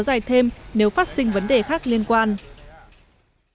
ủy ban nhân dân thành phố đà nẵng huỳnh đức thơ đã thống nhất lùi thời điểm cưỡng chế theo đề xuất này